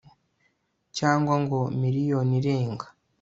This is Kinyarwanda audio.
cyangwa ngo miliyoni irenga